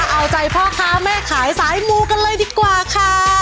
เอาใจพ่อค้าแม่ขายสายมูกันเลยดีกว่าค่ะ